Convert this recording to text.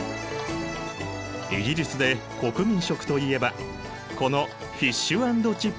イギリスで国民食といえばこのフィッシュ＆チップスなのだ！